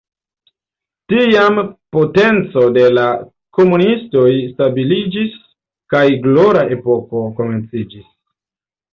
Tiam potenco de la komunistoj stabiliĝis kaj "glora epoko" komenciĝis.